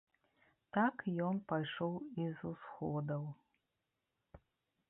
Так ён пайшоў і з усходаў.